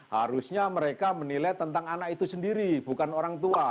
harusnya mereka menilai tentang anak itu sendiri bukan orang tua